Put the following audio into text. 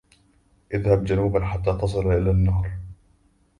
إذهب جنوباً، حتى تصل إلى النهر.